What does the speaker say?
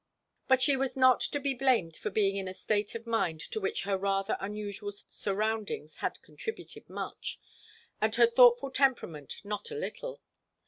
But she was not to be blamed for being in a state of mind to which her rather unusual surroundings had contributed much, and her thoughtful temperament not a little.